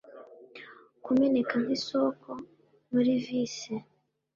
kumeneka nk'isoko muri vice